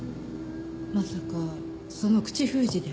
まさかその口封じで。